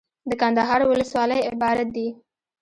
دکندهار ولسوالۍ عبارت دي.